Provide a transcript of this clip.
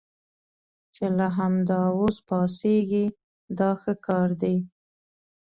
چې له همدا اوس پاڅېږئ دا ښه کار دی.